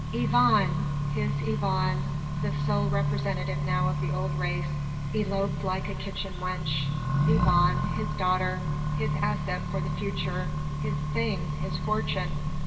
Yvonne! his Yvonne! the sole representative now of the old race eloped like a kitchen wench! Yvonne! his daughter! his asset for the future! his thing! his fortune!